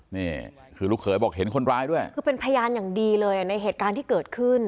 นี่คือลูกเขยบอกเห็นคนร้ายด้วยคือเป็นพยานอย่างดีเลยอ่ะในเหตุการณ์ที่เกิดขึ้น